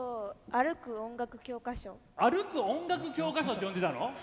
歩く音楽教科書って呼んでたの？